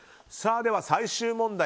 では最終問題。